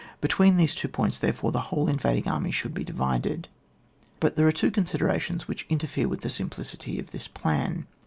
Between these two points, therefore, the whole invading army should be divided. But there are two considerations which interfere with the simplicity of this plan.